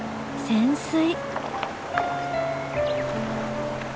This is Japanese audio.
潜水。